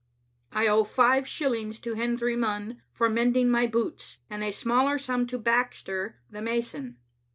" I owe five shillings to Hendry Munn for mending my boots, and a smaller sum to Baxter, the mason.